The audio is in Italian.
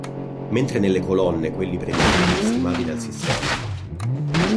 Mentre nelle colonne quelli predetti, stimati dal sistema.